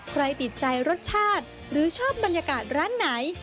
ติดใจรสชาติหรือชอบบรรยากาศร้านไหน